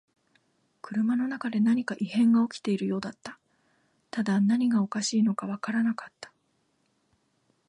車の中で何か異変が起きているようだった。ただ何がおかしいのかわからなかった。